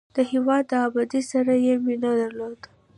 د هېواد د ابادۍ سره یې مینه درلودل.